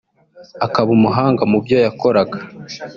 akaba umuhanga mubyo yakoraga